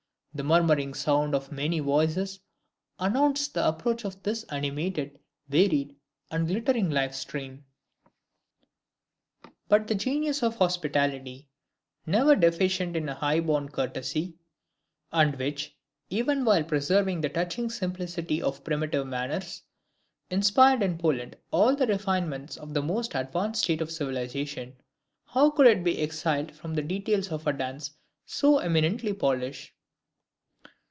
The murmuring sound of many voices announced the approach of this animated, varied, and glittering life stream. But the genius of hospitality, never deficient in high born courtesy, and which, even while preserving the touching simplicity of primitive manners, inspired in Poland all the refinements of the most advanced state of civilization, how could it be exiled from the details of a dance so eminently Polish?